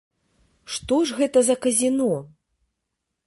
Што ж гэта за казіно?